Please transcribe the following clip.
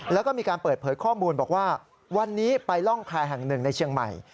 แล้วก็มีการเปิดเผยข้อมูลบอกว่าวันนี้ไปร่องแพร่แห่งหนึ่งในเชียงใหม่